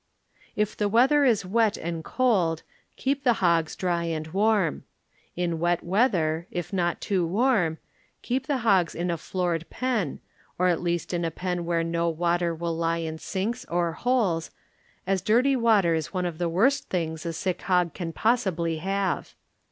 If the weather is wet and coM keep the h(^s dry and warm. In wet weather (if not too warm) keep the hogs in a floored pen, or at least in a pen where no water will lie in sinks or holes, as dirty water is one of the worst things a sick hc^ can possibly have.